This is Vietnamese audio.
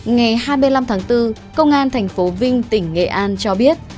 ngày hai mươi năm tháng bốn công an thành phố vinh tỉnh nghệ an cho biết